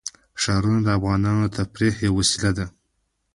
ښارونه د افغانانو د تفریح یوه وسیله ده.